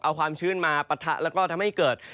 เอาความชื้นมาปะทะแล้วก็ทำให้เกิด